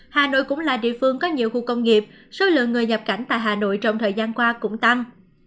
hà nội cũng là địa phương có nhiều khu công nghiệp số lượng người nhập cảnh tại hà nội trong thời gian qua cũng tăng